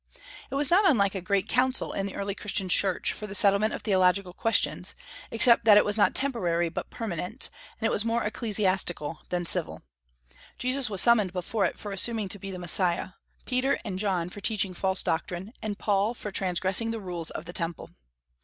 It was not unlike a great council in the early Christian Church for the settlement of theological questions, except that it was not temporary but permanent; and it was more ecclesiastical than civil. Jesus was summoned before it for assuming to be the Messiah; Peter and John, for teaching false doctrine; and Paul, for transgressing the rules of the Temple.